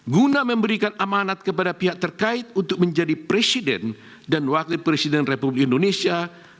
guna memberikan amanat kepada pihak terkait untuk menjadi presiden dan wakil presiden republik indonesia dua ribu dua puluh empat dua ribu dua puluh sembilan